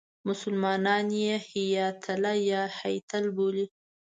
مسلمانان یې هیاتله یا هیتل بولي.